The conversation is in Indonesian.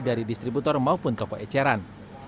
dari distributor maupun kepoeceran